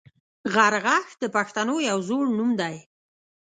غرغښت د پښتنو یو زوړ نوم دی